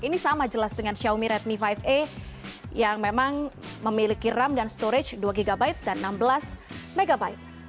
ini sama jelas dengan xiaomi redmi lima a yang memang memiliki ram dan storage dua gb dan enam belas mb